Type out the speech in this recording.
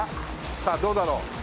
さあどうだろう。